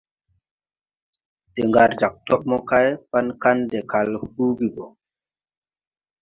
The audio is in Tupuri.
De ngar jāg tob mokay pan Kandɛ kal huugi go.